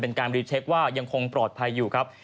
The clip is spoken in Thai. การรีเช็คว่ายังคงปลอดภัยอยู่ครับ